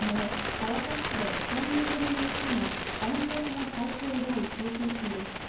川崎市で３人組の男が男性から財布を奪い逃走中です